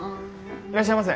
いらっしゃいませ。